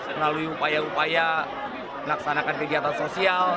melalui upaya upaya melaksanakan kegiatan sosial